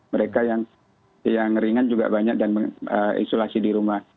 mereka yang ringan juga banyak dan mengisolasi di rumah